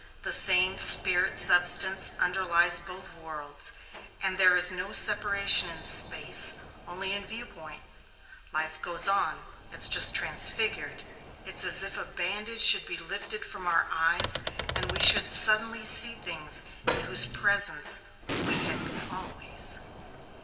The same spirit substance underlies both worlds and there is no separation in space, only in view point. Life goes on it's just transfigured. It's as if a bandage should be lifted from our eyes and we should suddenly see things in whose presence we had been always."